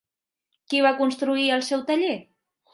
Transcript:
Qui va construir el seu taller?